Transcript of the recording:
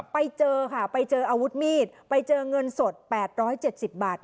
ไปเจอค่ะไปเจออาวุธมีดไปเจอเงินสด๘๗๐บาท